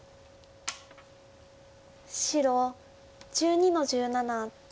白１２の十七。